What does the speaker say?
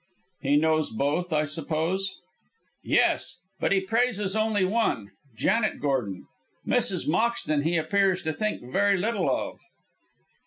"He knows both, I suppose?" "Yes; but he praises only one Janet Gordon. Mrs. Moxton he appears to think very little of."